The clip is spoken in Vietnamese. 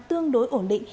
tương đối ổn định